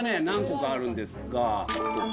何個かあるんですが。